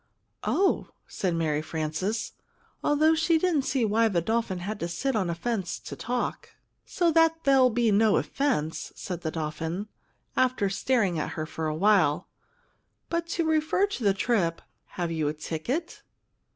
"Oh!" said Mary Frances, although she didn't see why the dolphin had to sit on a fence to talk. "So that there'll be no offense!" said the dolphin, after staring at her for a while; "but to refer to the trip have you a ticket?"